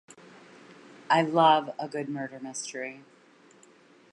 I love a good murder mystery.